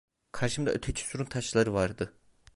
Karşımda öteki surun taşları vardı.